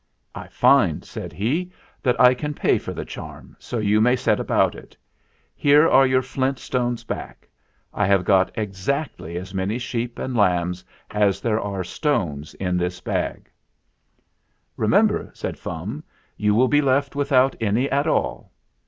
"I find," said he, "that I can pay for the charm, so you may set about it. Here are your flint stones back. I have got exactly as many sheep and lambs as there are stones in this bag." THE MAKING OF THE CHARM 31 "Remember," said Fum, "you will be left without any at all."